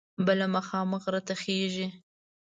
بله مخامخ غره ته خیژي.